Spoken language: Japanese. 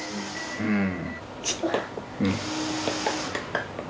うん。